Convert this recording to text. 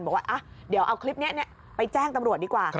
บอกว่าเดี๋ยวเอาคลิปนี้ไปแจ้งตำรวจดีกว่า